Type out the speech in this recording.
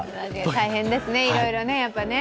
大変ですね、いろいろね、やっぱりね。